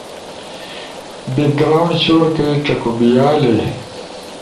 [بیک گراونڈ شور کئی چکو بیالے]